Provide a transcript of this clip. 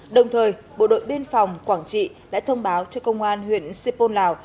đồng thời bộ đội biên phòng quảng trị đã thông báo cho công an huyện sipol lào